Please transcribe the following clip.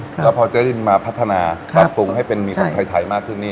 แล้วพอเจ๊รินมาพัฒนาปรับปรุงให้เป็นมีของไทยมากขึ้นนี่